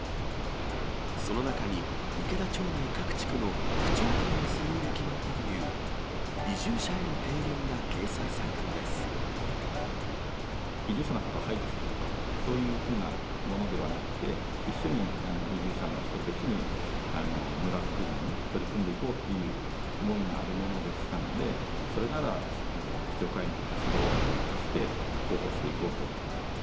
その中に池田町内各地区の区長会の総意で決まったという、移住者移住者の方を排除するとか、そういうふうなものではなくて、一緒に移住者の人と一緒に、村づくりに取り組んでいこうという思いがあるものでしたので、それなら区長会の活動として、広報していこうと。